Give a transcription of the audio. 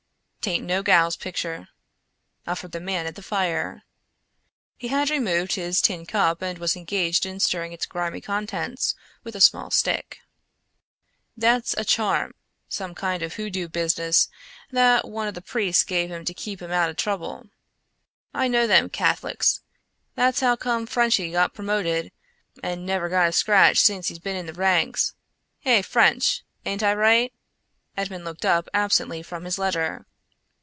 "'Taint no gal's picture," offered the man at the fire. He had removed his tin cup and was engaged in stirring its grimy contents with a small stick. "That's a charm; some kind of hoodoo business that one o' them priests gave him to keep him out o' trouble. I know them Cath'lics. That's how come Frenchy got permoted an never got a scratch sence he's been in the ranks. Hey, French! aint I right?" Edmond looked up absently from his letter.